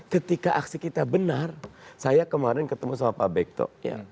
ketika aksi kita benar saya kemarin ketemu sama pak bekto